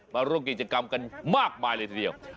มาร่วมกิจกรรมกันมากมายเลยทีเดียว